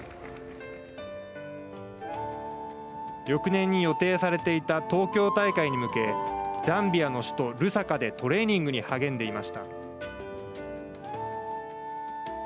翌年に予定されていた東京大会に向けザンビアの首都ルサカでトレーニングに励んでいました。